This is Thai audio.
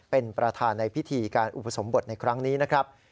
เป็นประธานในพิธีการอุปสมบทในครั้งนี้นะครับ